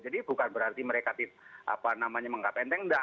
jadi bukan berarti mereka apa namanya menganggap enteng enggak